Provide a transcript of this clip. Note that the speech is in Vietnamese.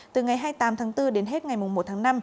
từ ngày hai mươi tám tháng bốn đến hết ngày một tháng năm